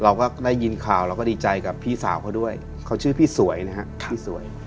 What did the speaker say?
เราก็ได้ยินข่าวเราก็ดีใจกับพี่สาวเขาด้วยเขาชื่อพี่สวยนะฮะพี่สวย